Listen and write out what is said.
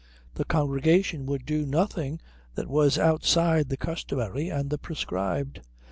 The congregation would do nothing that was outside the customary and the prescribed.